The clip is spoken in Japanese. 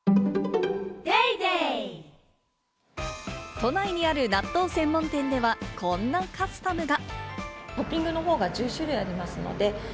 都内にある納豆専門店ではこんなカスタムが。